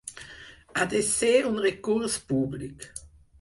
Ha de ser un recurs públic.